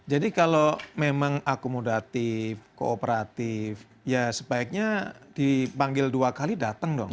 jadi kalau memang akumulatif kooperatif ya sebaiknya dipanggil dua kali datang dong